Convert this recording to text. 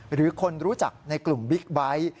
หรือคนรู้จักในกลุ่มบิ๊กไบท์